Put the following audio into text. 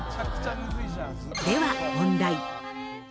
では問題。